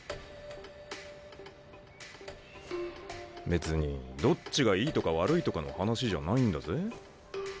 別にどっちがいいとか悪いとかの話じゃないんだぜ。